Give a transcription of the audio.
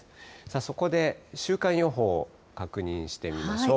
そこで週間予報、確認してみましょう。